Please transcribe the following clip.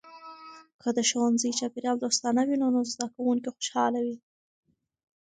که د ښوونځي چاپیریال دوستانه وي، نو زده کونکي خوشحاله وي.